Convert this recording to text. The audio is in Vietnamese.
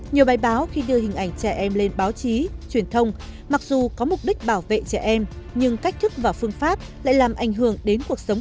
nhiều bài báo khi đưa hình ảnh trẻ em lên báo chí truyền thông mặc dù có mục đích bảo vệ trẻ em nhưng cách thức và phương pháp lại làm ảnh hưởng đến cuộc sống